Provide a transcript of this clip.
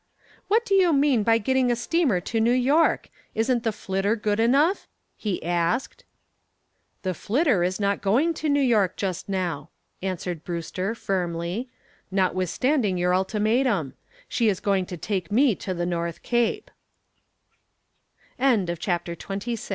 "What do you mean by getting a steamer to New York? Isn't the 'Flitter' good enough?" he asked. "The 'Flitter' is not going to New York just now," answered Brewster firmly, "notwithstanding your ultimatum. She is going to take me to the North Cape." CHAPTER XXVII A FAIR TRAITOR "Now will you be good?"